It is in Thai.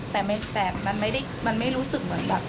แต่มันไม่รู้สึกเหมือนแบบ